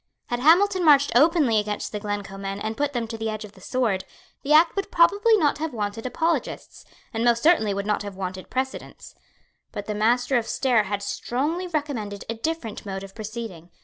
Had Hamilton marched openly against the Glencoe men and put them to the edge of the sword, the act would probably not have wanted apologists, and most certainly would not have wanted precedents. But the Master of Stair had strongly recommended a different mode of proceeding.